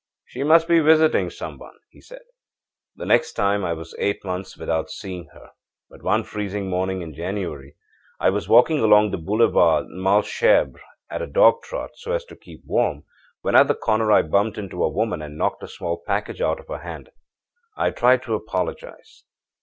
'She must be visiting some one,' he said. âThe next time I was eight months without seeing her. But one freezing morning in January, I was walking along the Boulevard Malesherbes at a dog trot, so as to keep warm, when at the corner I bumped into a woman and knocked a small package out of her hand. I tried to apologize.